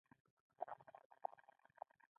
زما جواب یې خوښ شو کنه.